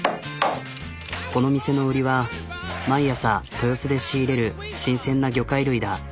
この店の売りは毎朝豊洲で仕入れる新鮮な魚介類だ。